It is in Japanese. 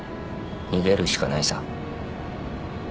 逃げるしかないさ。